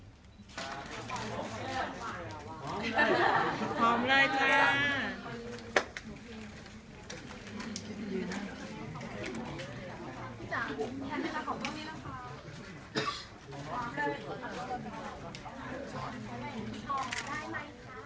พร้อมได้จ้า